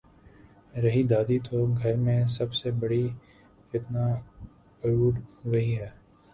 رہی دادی تو گھر میں سب سے بڑی فتنہ پرور وہی ہے۔